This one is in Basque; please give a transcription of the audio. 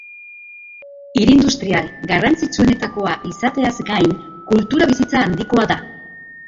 Hiri industrial garrantzitsuenetakoa izateaz gain kultura bizitza handikoa da.